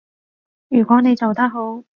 如果你做得好